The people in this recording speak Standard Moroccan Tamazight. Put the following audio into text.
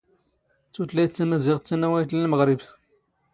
ⵜⵓⵜⵍⴰⵢⵜ ⵜⴰⵎⴰⵣⵉⵖⵜ ⵜⴰⵏⴰⵡⴰⵢⵜ ⵏ ⵍⵎⵖⵔⵉⴱ.